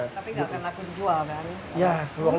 tapi enggak karena aku dijual kan